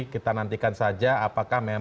kita nantikan saja apa yang akan terjadi